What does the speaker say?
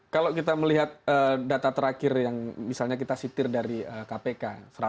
kalau kita melihat data terakhir yang misalnya kita sitir dari kpk